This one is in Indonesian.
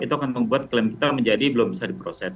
yang membuat klaim kita menjadi belum bisa diproses